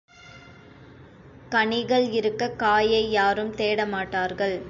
கனிகள் இருக்கக் காயை யாரும் தேடமாட்டார்கள்.